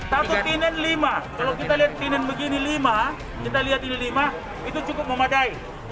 satu tinen lima kalau kita lihat tinen begini lima itu cukup memadai